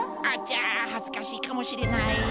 あちゃはずかしいかもしれない。